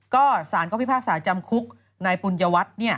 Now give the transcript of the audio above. ก็สารก็พิพากษาจำคุกนายปุญญวัตร